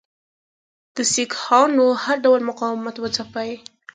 د سیکهانو هر ډول مقاومت وځپي.